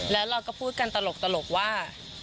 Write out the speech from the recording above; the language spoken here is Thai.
แล้วเราก็พูดกันตลกว่า